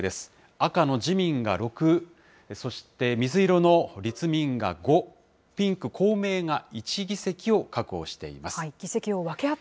赤の自民が６、そして水色の立民が５、ピンク公明が１議席を確保しています。